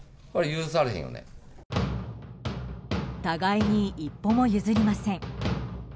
互いに一歩も譲りません。